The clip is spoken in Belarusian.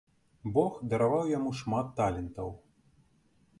Бог дараваў яму шмат талентаў.